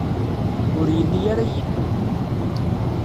Ur yelli ara yillu.